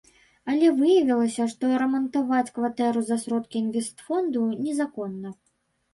Але выявілася, што рамантаваць кватэру за сродкі інвестфонду незаконна.